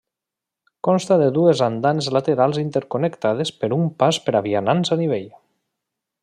Consta de dues andanes laterals interconnectades per un pas per a vianants a nivell.